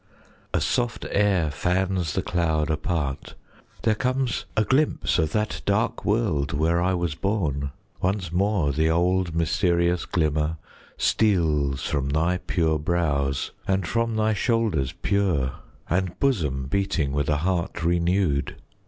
A soft air fans the cloud apart; there comes A glimpse of that dark world where I was born. Once more the old mysterious glimmer steals From thy pure brows, and from thy shoulders pure, And bosom beating with a heart renew'd.